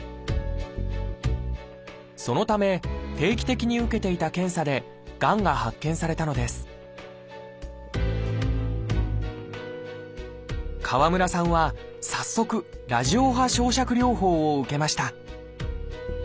そのため定期的に受けていた検査でがんが発見されたのです川村さんは早速ラジオ波焼灼療法を受けました